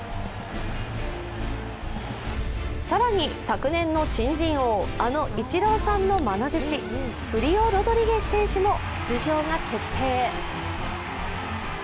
更に、昨年の新人王、あのイチローさんのまな弟子、フリオ・ロドリゲス選手も出場が決定。